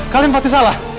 kalian pasti salah